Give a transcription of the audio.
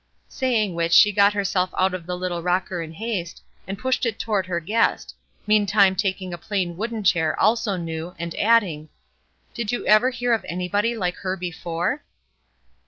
Saying which, she got herself out of the little rocker in haste, and pushed it toward her guest, meantime taking a plain wooden chair, also new, and adding: "Did you ever hear of anybody like her before?"